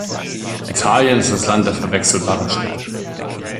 Italien ist das Land der verwechselbaren Städte.